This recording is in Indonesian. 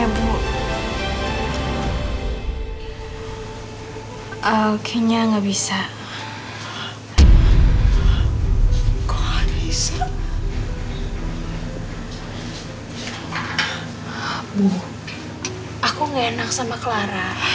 bu aku gak enak sama clara